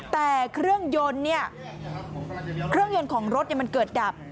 แต่เครื่องยนต์ของรถเกิดดับ